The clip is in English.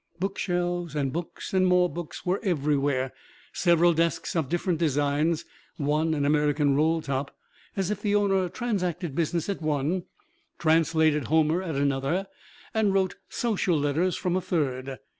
Bookshelves and books and more books were everywhere; several desks of different designs (one an American roll top), as if the owner transacted business at one, translated Homer at another, and wrote social letters from a third.